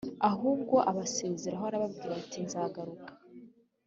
ahubwo abasezeraho arababwira ati nzagaruka